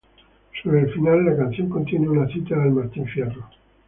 Sobre el final, la canción contiene una cita del Martín Fierro.